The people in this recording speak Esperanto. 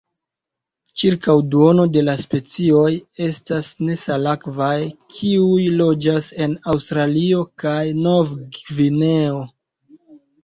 Ĉirkaŭ duono de la specioj estas nesalakvaj, kiuj loĝas en Aŭstralio kaj Novgvineo.